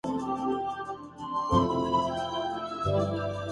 مسلم سماج کی اساسی ترکیب روایتی ہے۔